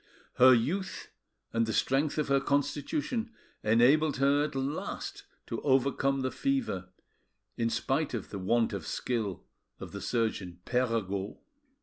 Her youth and the strength of her constitution enabled her at last to overcome the fever, in spite of the want of skill of the surgeon Perregaud.